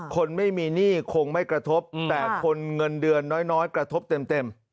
คนไม่มีหนี้คงไม่กระทบแต่คนเงินเดือนน้อยกระทบเต็ม